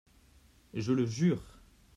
Je le jure !